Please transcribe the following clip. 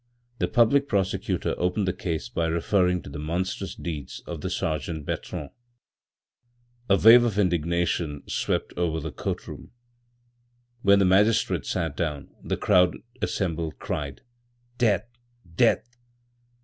The public prosecutor opened the case by referring to the monstrous deeds of the Sergeant Bertrand. A wave of indignation swept over the courtroom. When the magistrate sat down the crowd assembled cried: "Death! death!"